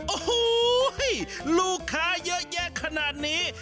โอ้โหลูกค้าเยอะแยะขนาดนี้